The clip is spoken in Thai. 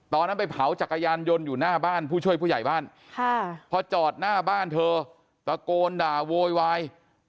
ไปเผาจักรยานยนต์อยู่หน้าบ้านผู้ช่วยผู้ใหญ่บ้านพอจอดหน้าบ้านเธอตะโกนด่าโวยวาย